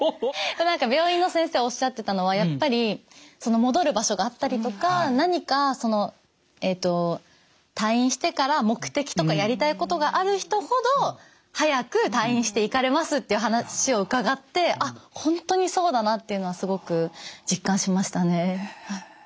何か病院の先生おっしゃってたのはやっぱり戻る場所があったりとか何かその退院してから目的とかやりたいことがある人ほど早く退院していかれますっていう話を伺ってあっ本当にそうだなっていうのはすごく実感しましたね。